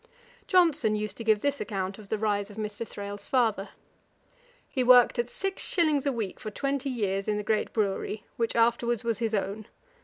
Johnson used to give this account of the rise of Mr. Thrale's father: 'He worked at six shillings a week for twenty years in the great brewery, which afterwards was his own.